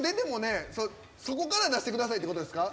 そこから出してくださいってことですか？